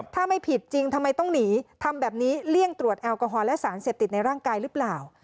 ถ้าไม่ผิดจริงทำไมต้องหนีทำแบบนี้เลี่ยงตรวจแอลกอฮอลและสารเสพติดในร่างกายหรือเปล่า